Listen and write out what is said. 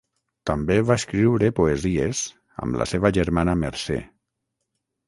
També va escriure poesies, amb la seva germana Mercè.